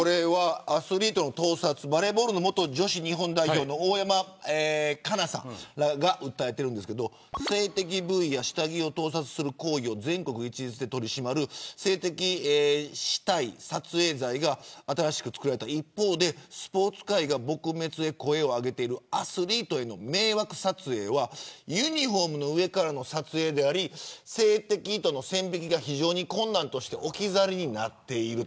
アスリートの盗撮バレーボールの元女子日本代表の大山加奈さんらが訴えているんですけど性的部位や下着を盗撮する行為を全国一律で取り締まる性的姿態等撮影罪が新しく作られた一方でスポーツ界が撲滅へ声を上げているアスリートへの迷惑撮影はユニホームの上からの撮影であり性的との線引きが非常に困難として置き去りになっている。